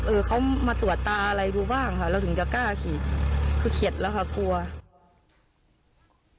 เออเขามาตรวจตาอะไรดูบ้างค่ะเราถึงจะกล้าขีดคือเขียดแล้วค่ะกลัว